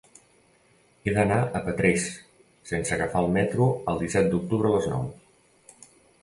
He d'anar a Petrés sense agafar el metro el disset d'octubre a les nou.